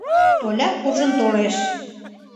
Толя куржын толеш.